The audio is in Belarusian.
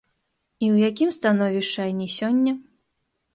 І ў якім становішчы яны сёння?